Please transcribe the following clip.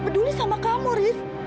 peduli sama kamu riz